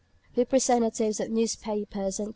Representatives of newspapers, &c.